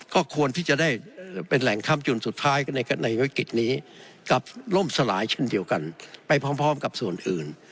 ก็ควรที่จะได้เป็นแหล่งค่ำจุนสุดท้ายในวิกฤตนี้กลับล่มสลายเช่นเดียวกันไปพร้อมกับส่วนอื่น